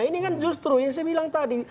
ini kan justru yang saya bilang tadi